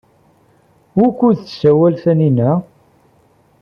Wukud tessawal Taninna?